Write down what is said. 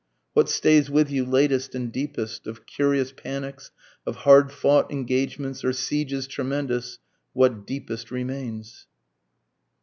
What stays with you latest and deepest? of curious panics, Of hard fought engagements or sieges tremendous what deepest remains?